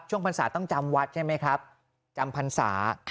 ช่วงพันศาต้องจำวัดใช่ไหมครับจำพันศา